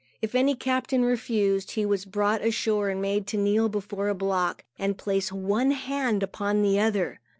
If any captain refused, he was brought ashore and made to kneel before a block and place one hand upon the other.